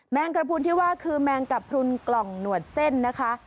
งกระพุนที่ว่าคือแมงกระพรุนกล่องหนวดเส้นนะคะ